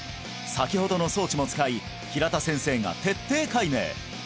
先ほどの装置も使い平田先生が徹底解明！